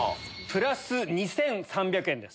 プラス２３００円です。